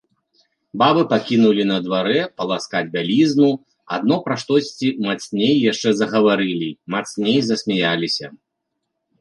Бабы пакінулі на дварэ паласкаць бялізну, адно пра штосьці мацней яшчэ загаварылі, мацней засмяяліся.